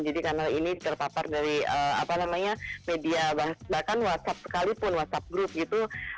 jadi karena ini terpapar dari media bahkan whatsapp sekalipun whatsapp group gitu